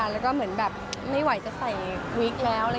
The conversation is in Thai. แล้วก็เหมือนแบบไม่ไหวจะใส่วิกแล้ว